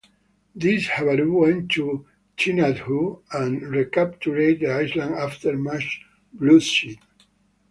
These 'Havaru' went to Thinadhoo and recaptured the island after much bloodshed.